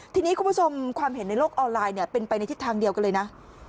ทีนี้คุณผู้ชมความเห็นในโลกออนไลน์เนี่ยเป็นไปในทิศทางเดียวกันเลยนะ